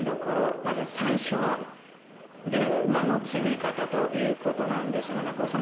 まず最初はレンガの積み方ということなんですが中尾さん